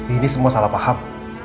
ini semua salah paham